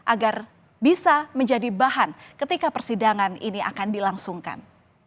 agar bisa menjadi bahan ketika persidangan ini akan dilangsungkan